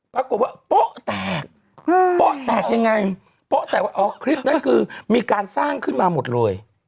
ปรากฏว่าโป๊ะแตกโป๊ะแตกยังไงโป๊ะแตกว่าอ๋อคลิปนั้นคือมีการสร้างขึ้นมาหมดเลย